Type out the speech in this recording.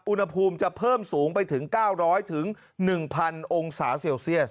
อุณหภูมิจะเพิ่มสูงไปถึง๙๐๐๑๐๐องศาเซลเซียส